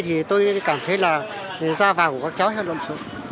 thì tôi cảm thấy là ra vào của các cháu heo lộn sổ